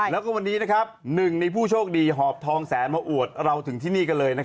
แล้วก็วันนี้หนึ่งในผู้โชคดีหอบทองแสนมาอวดเราถึงที่นี่กันเลย